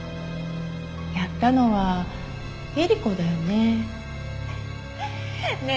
やったのはえり子だよね。